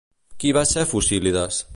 Qui va ser Focílides?